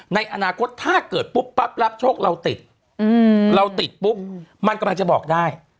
ในอนาคตถ้าเกิดปุ๊บปั๊บรับโชคเราติดเราติดปุ๊บมันกำลังจะบอกได้